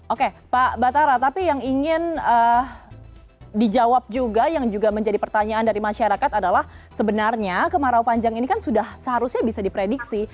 oke pak batara tapi yang ingin dijawab juga yang juga menjadi pertanyaan dari masyarakat adalah sebenarnya kemarau panjang ini kan sudah seharusnya bisa diprediksi